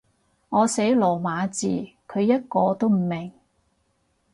我寫羅馬字，佢一個都唔明